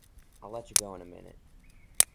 I'll let you go in a minute.